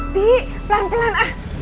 di pelan pelan ah